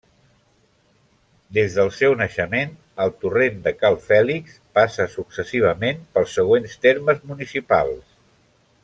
Des del seu naixement, el Torrent de Cal Fèlix passa successivament pels següents termes municipals.